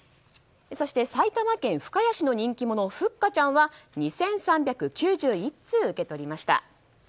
そして、埼玉県深谷市の人気者ふっかちゃんは２３９１通受け取りました。